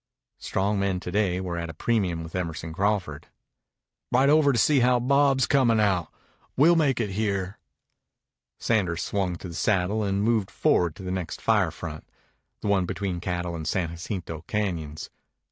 Strong men to day were at a premium with Emerson Crawford. "Ride over and see how Bob's comin' out. We'll make it here." Sanders swung to the saddle and moved forward to the next fire front, the one between Cattle and San Jacinto Cañons.